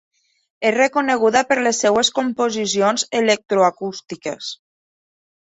És reconeguda per les seves composicions electroacústiques.